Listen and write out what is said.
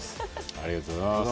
ありがとうございます。